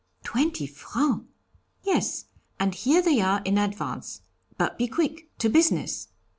'Twenty francs!' 'Yes, and here they are in advance; but be quick, to business!'